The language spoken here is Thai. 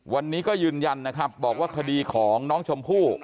วันนี้ก็ยืนยันนะครับบอกว่าคดีของน้องชมพู่